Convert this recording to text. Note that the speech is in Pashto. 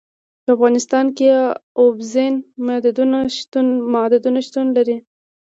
په افغانستان کې اوبزین معدنونه شتون لري.